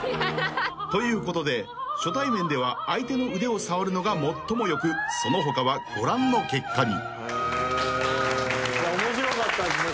［ということで初対面では相手の腕を触るのが最も良くその他はご覧の結果に］面白かったですね